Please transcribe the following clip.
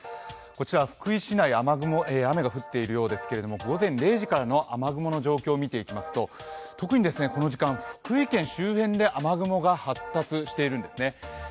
こちら福井市内、雨が降っているようですけれども、午前０時からの雨雲の状況を見ていきますと、特にこの時間、福井県周辺で雨雲が発達してるんですね。